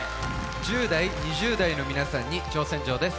１０代２０代の皆さんに挑戦状です